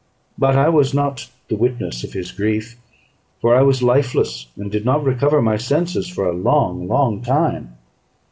But I was not the witness of his grief; for I was lifeless, and did not recover my senses for a long, long time.